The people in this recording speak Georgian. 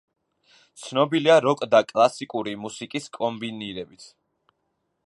ცნობილია როკ და კლასიკური მუსიკის კომბინირებით.